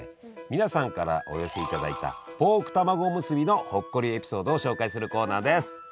皆さんからお寄せいただいたポークたまごおむすびのほっこりエピソードを紹介するコーナーです。